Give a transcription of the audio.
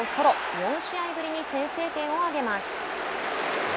４試合ぶりに先制点をあげます。